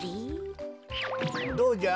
どうじゃ？